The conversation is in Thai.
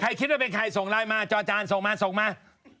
คิดว่าเป็นใครส่งไลน์มาจอจานส่งมาส่งมา